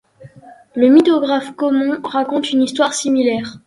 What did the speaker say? Le mythographe Conon raconte une histoire similaire.